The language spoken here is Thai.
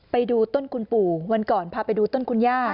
ไปดูต้นคุณปู่วันก่อนพาไปดูต้นคุณย่า